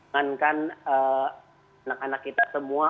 mengankan anak anak kita semua